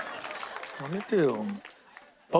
やめてよ。